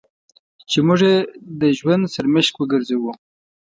چې موږ یې د ژوند سرمشق وګرځوو.